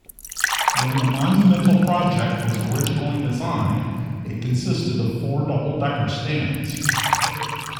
When the Monumental project was originally designed, it consisted of four double decker stands.